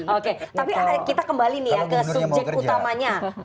oke tapi kita kembali nih ya ke subjek utamanya